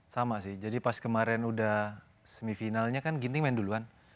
sama sih jadi pas kemarin udah semifinalnya kan ginting main duluan